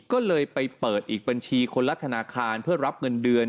ก็เลยไปเปิดอีกบัญชีคนละธนาคารเพื่อรับเงินเดือน